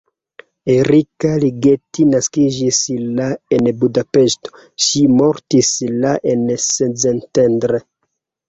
Erika Ligeti naskiĝis la en Budapeŝto, ŝi mortis la en Szentendre.